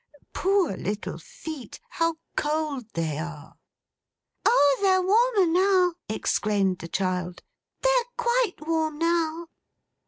Poor little feet. How cold they are!' 'Oh, they're warmer now!' exclaimed the child. 'They're quite warm now!